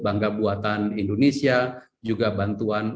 bangga buatan indonesia juga bantuan